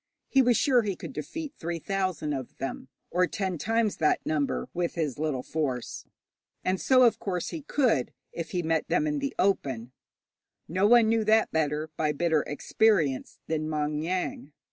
He was sure he could defeat three thousand of them, or ten times that number, with his little force, and so, of course, he could if he met them in the open; no one knew that better, by bitter experience, than Maung Yaing.